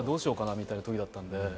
みたいなときだったんで。